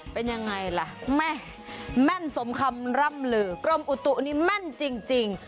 เป็นยังไงล่ะแม่แม่นสมคำร่ำลือกรมอุตุนี่แม่นจริง